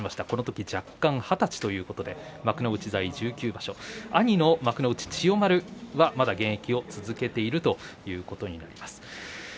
このとき弱冠二十歳ということで幕内在位中で１９場所兄の幕内、千代丸はまだ現役を続けているということになります。